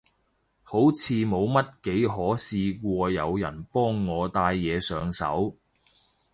好似冇乜幾可試過有人幫我戴嘢上手